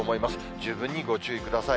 十分にご注意ください。